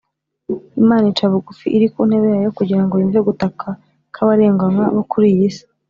imana ica bugufi iri ku ntebe yayo kugira ngo yumve gutaka kw’abarenganywa bo kuri iyi si